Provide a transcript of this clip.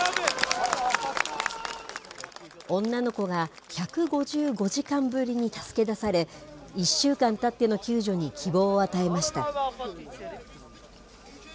女の子が１５５時間ぶりに助け出され、１週間たっての救助に希望を与えました。